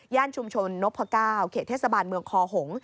ย่านชุมชนน๙เขตเทศบาลเมืองคอหงษ์